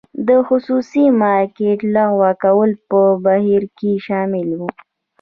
د خصوصي مالکیت لغوه کول په بهیر کې شامل و.